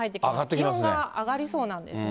気温が上がりそうなんですね。